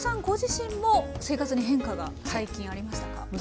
ご自身も生活に変化が最近ありましたか？